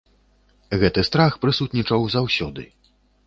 Гэты страх прысутнічаў заўсёды.